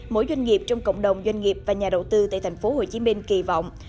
mỗi doanh nghiệp trong cộng đồng doanh nghiệp và nhà đầu tư tại tp hcm kỳ vọng